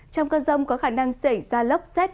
trong cơn rông có khả năng xảy ra lốc xét